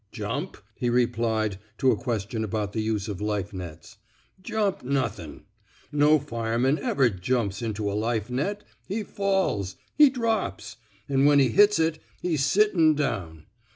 Jump? *' he replied to a question about the use of life nets. '* Jump nothin*. No fireman ever jumps into a life net. He falls. He drops. An' when he hits it, he's sittin' down.